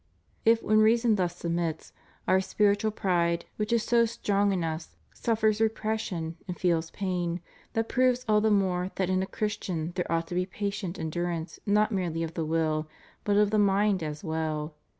If when reason thus submits, our spiritual pride, which is so strong in us, suffers repression, and feels pain, that proves all the more that in a Christian there ought to be patient endurance not merely of the will, but of the mind as well.